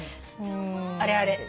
あれあれ。